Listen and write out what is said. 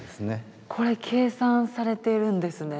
これ計算されているんですね。